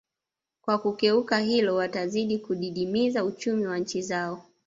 Kwa kukeuka hilo watazidi kudidimiza uchumi wa nchi zao